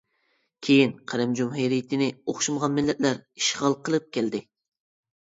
كېيىن قىرىم جۇمھۇرىيىتىنى ئوخشىمىغان مىللەتلەر ئىشغال قىلىپ كەلدى.